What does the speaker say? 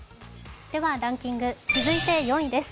ランキング続いて４位です。